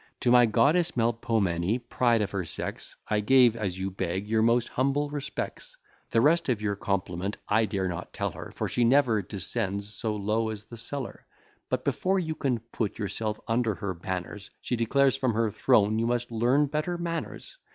To my goddess Melpomene, pride of her sex, I gave, as you beg, your most humble respects: The rest of your compliment I dare not tell her, For she never descends so low as the cellar; But before you can put yourself under her banners, She declares from her throne you must learn better manners.